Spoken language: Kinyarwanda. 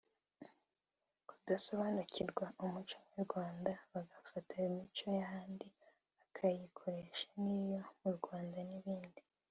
kudasobanukirwa umuco nyarwanda bagafata imico y’ahandi bakayikoresha nk’iyo mu Rwanda n’ibindi